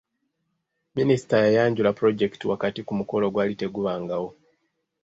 Minisita yayanjula pulojekiti wakati ku mukolo ogwali tegubangawo.